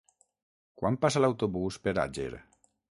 Quan passa l'autobús per Àger?